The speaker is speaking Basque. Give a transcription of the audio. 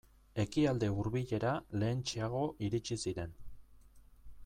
Ekialde Hurbilera lehentxeago iritsi ziren.